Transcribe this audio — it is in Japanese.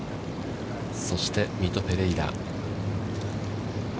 そして、ミト・ペレイラ。